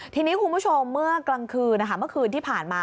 ทีนี้คุณผู้ชมเมื่อกลางคืนเมื่อคืนที่ผ่านมา